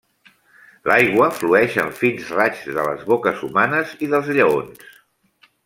L'aigua flueix en fins raigs de les boques humanes i dels lleons.